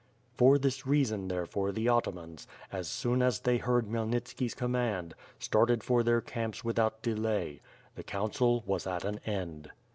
For this reason, therefore, the atamans, as soon as they heard Khmyelnitski's command, started for their camps with out delay. The council was at an end.